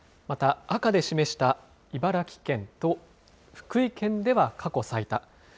また赤で示した茨城県と福井県では過去最多。